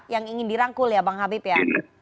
yang ingin dirangkul ya bang habib ya